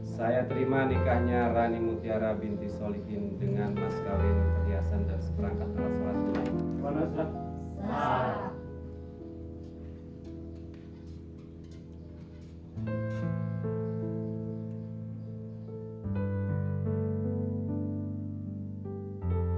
saya terima nikahnya rani mutiara binti solihin dengan maskalin perhiasan dan seperangkat teras eras lain